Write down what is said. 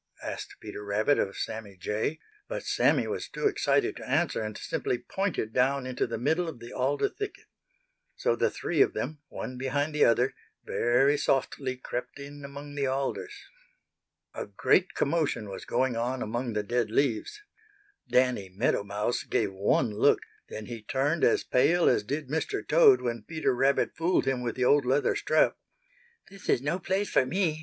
asked Peter Rabbit of Sammy Jay, but Sammy was too excited to answer and simply pointed down into the middle of the alder thicket. So the three of them, one behind the other, very softly crept in among the alders. A great commotion was going on among the dead leaves. Danny Meadow Mouse gave one look, then he turned as pale as did Mr. Toad when Peter Rabbit fooled him with the old leather strap. "This is no place for me!"